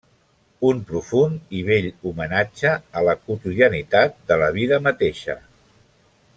Un profund i bell homenatge a la quotidianitat de la vida mateixa.